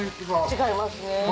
違いますね。